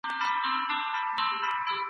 د ګرېوان پر تورخم نه سي اوښتلای